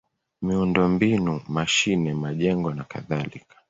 miundombinu: mashine, majengo nakadhalika.